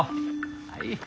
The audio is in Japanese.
はい。